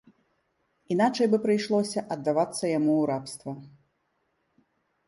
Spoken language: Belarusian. Іначай бы прыйшлося аддавацца яму ў рабства.